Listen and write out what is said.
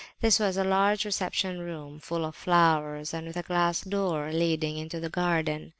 This was a large reception room, full of flowers, and with a glass door leading into the garden.